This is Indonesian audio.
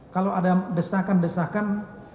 kalau ada desakan desakan